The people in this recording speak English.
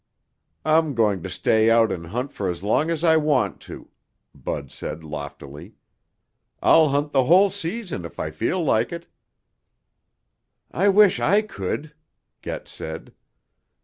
"I'm going to stay out and hunt for as long as I want to," Bud said loftily. "I'll hunt the whole season if I feel like it." "I wish I could," Get said.